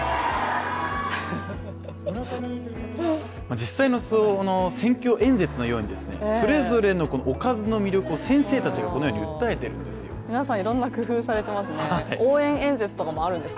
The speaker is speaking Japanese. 実際の選挙演説のようにそれぞれのおかずの魅力を先生たちがこのように訴えてるんです。